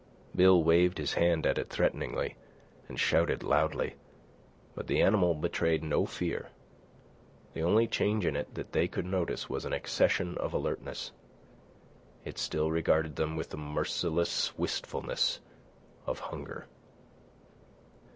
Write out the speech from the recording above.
Bill waved his hand at it threateningly and shouted loudly; but the animal betrayed no fear. The only change in it that they could notice was an accession of alertness. It still regarded them with the merciless wistfulness of hunger.